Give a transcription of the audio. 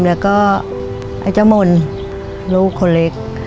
และก็อาจมนต์ลูกคนเล็ก